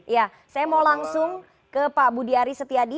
saya mau langsung ke pak budi ari setiadi